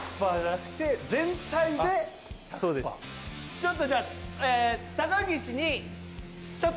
ちょっとじゃあ。